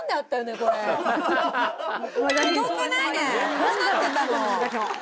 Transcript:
こうなってたの。